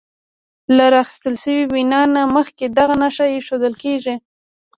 له راخیستل شوې وینا نه مخکې دغه نښه ایښودل کیږي.